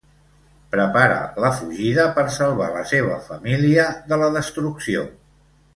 Prepara la fugida per salvar la seva família de la destrucció.